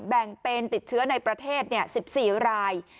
แบ่งเป็นติดเชื้อในประเทศ๑๔ราย